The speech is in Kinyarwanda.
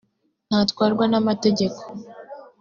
ntatwarwa n’amategeko